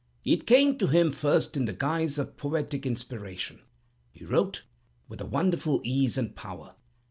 It came to him first in the guise of poetic inspiration. He wrote with a wonderful ease and power.